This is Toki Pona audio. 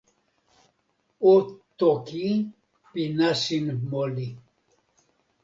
o toki pi nasin moli.